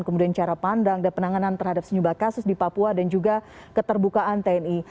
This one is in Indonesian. kemudian cara pandang dan penanganan terhadap sejumlah kasus di papua dan juga keterbukaan tni